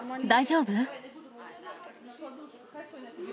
大丈夫？